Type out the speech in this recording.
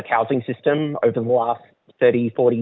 dari sistem pembangunan publik